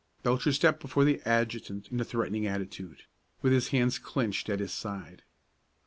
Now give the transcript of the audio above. Belcher stepped before the adjutant in a threatening attitude, with his hands clinched at his side.